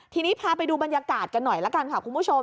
ทีนี้พาไปดูบรรยากาศกันหน่อยละกันค่ะคุณผู้ชม